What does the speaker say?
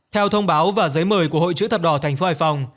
theo thông báo và giấy mời của hội chữ thập đỏ thành phố hải phòng